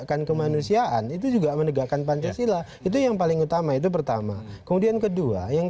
kami katakan pak ini mendukung